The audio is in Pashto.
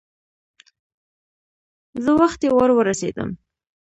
زه وختي ور ورسېدم.